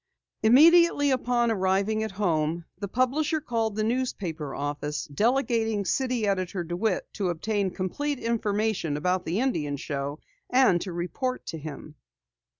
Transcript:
Immediately upon arriving at home, the publisher called the newspaper office, delegating City Editor DeWitt to obtain complete information about the Indian Show and to report to him.